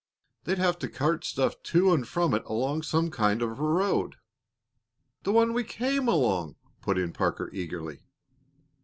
They'd have to cart stuff to and from it along some kind of a road " "The one we came along!" put in Parker, eagerly.